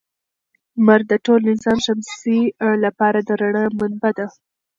لمر د ټول نظام شمسي لپاره د رڼا منبع ده.